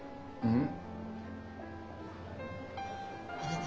うん。